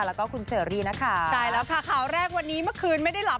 แล้วก็คุณเชอรี่นะคะใช่แล้วค่ะข่าวแรกวันนี้เมื่อคืนไม่ได้หลับ